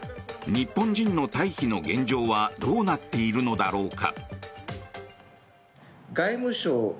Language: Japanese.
日本人の退避の現状はどうなっているのだろうか。